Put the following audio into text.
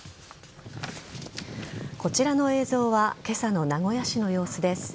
こちらの映像は今朝の名古屋市の様子です。